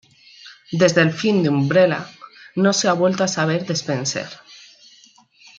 Desde el fin de Umbrella, no se ha vuelto a saber de Spencer.